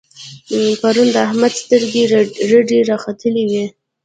پرون د احمد سترګې رډې را ختلې وې.